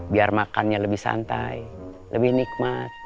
biar makannya lebih santai lebih nikmat